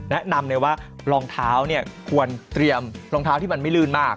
แนะนำเลยว่ารองเท้าเนี่ยควรเตรียมรองเท้าที่มันไม่ลื่นมาก